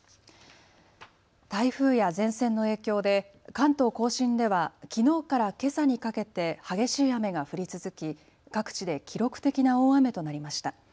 台風や前線の影響で関東甲信ではきのうからけさにかけて激しい雨が降り続き各地で記録的な大雨となりました。